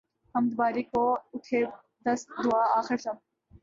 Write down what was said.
حمد باری کو اٹھے دست دعا آخر شب